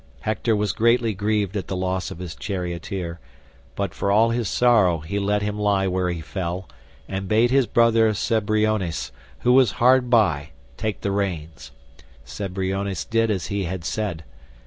Hector was greatly grieved at the loss of his charioteer, but for all his sorrow he let him lie where he fell, and bade his brother Cebriones, who was hard by, take the reins. Cebriones did as he had said.